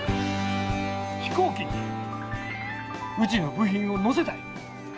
飛行機にうちの部品を乗せたい。